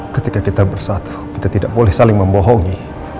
ketika kita bersatu kita tidak boleh saling membohongi